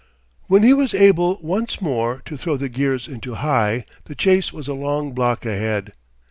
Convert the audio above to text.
When he was able once more to throw the gears into high, the chase was a long block ahead.